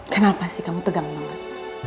kenapa sih kamu tegang banget